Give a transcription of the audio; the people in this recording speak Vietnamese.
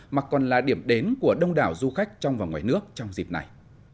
mà còn là điểm đến của đông đảo du khách trong và ngoài nước trong dịp này